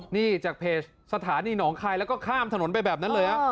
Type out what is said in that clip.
นี่จากเพจสถานีหนองคายแล้วก็ข้ามถนนไปแบบนั้นเลยฮะ